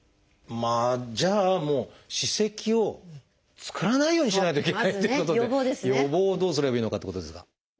じゃあもう歯石を作らないようにしないといけないっていうことで予防をどうすればいいのかってことですが。